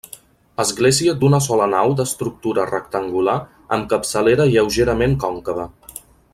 Església d'una sola nau d'estructura rectangular amb capçalera lleugerament còncava.